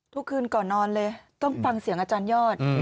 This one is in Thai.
ทุกคืนก่อนนอนเลยต้องฟังเสียงอาจารยอด